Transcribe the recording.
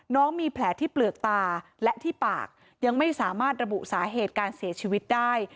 น้องมีแผลที่เปลือกตาและที่ปากยังไม่สามารถระบุสาเหตุการเสียชีวิตได้